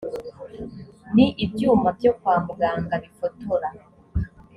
ni ibyuma byo kwa muganga bifotora